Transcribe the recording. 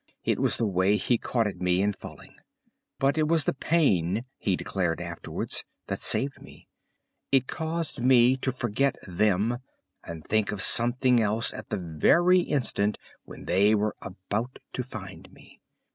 It was the way he caught at me in falling. But it was the pain, he declared afterwards, that saved me; it caused me to forget them and think of something else at the very instant when they were about to find me.